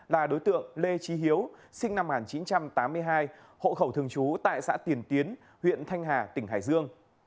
là đối tượng lê trí hiếu sinh năm một nghìn chín trăm tám mươi hai hộ khẩu thường trú tại xã tiền tiến huyện thanh hà tỉnh hải dương